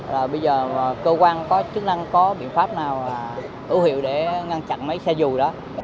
là bây giờ cơ quan có chức năng có biện pháp nào ưu hiệu để ngăn chặn mấy xe dù đó